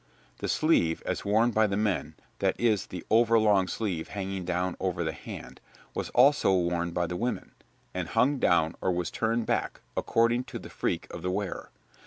The sleeve as worn by the men that is, the over long sleeve hanging down over the hand was also worn by the women, and hung down or was turned back, according to the freak of the wearer.